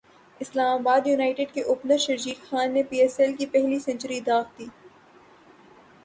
اسلام United کے opener Sharjeel Khan نے P S L کی پہلی سنچری داغ دی